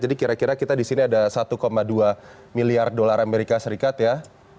jadi kira kira kita di sini ada satu dua miliar dolar amerika serikat ya